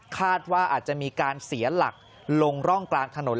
คาดว่าอาจจะมีการเสียหลักลงร่องกลางถนน